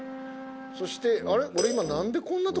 そして「あれ？俺今」。